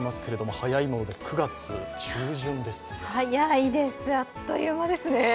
早いです、あっという間ですね。